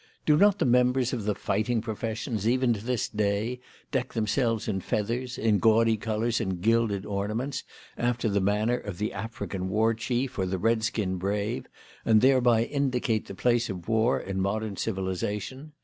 Do not the members of the fighting professions, even to this day, deck themselves in feathers, in gaudy colours and gilded ornaments, after the manner of the African war chief or the "Redskin brave," and thereby indicate the place of war in modern civilisation?